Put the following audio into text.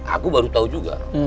aku baru tau juga